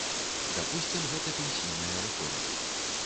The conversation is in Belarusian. Дапусцім, гэта пенсійная рэформа.